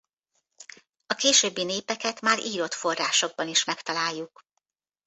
A későbbi népeket már írott forrásokban is megtaláljuk.